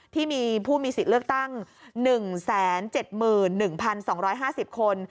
ที่มีผู้มีสิทธิ์เลือกตั้ง๑๗๑๒๕๐คน